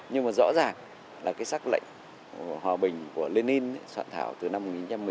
nhưng mà rõ ràng là cái sắc lệnh hòa bình của lenin soạn thảo từ năm một nghìn chín trăm một mươi bảy